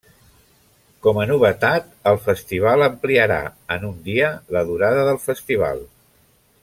Com a novetat, el festival ampliarà en un dia la durada del festival.